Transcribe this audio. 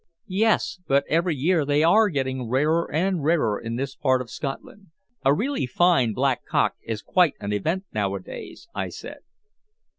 "Yes, but every year they are getting rarer and rarer in this part of Scotland. A really fine black cock is quite an event nowadays," I said.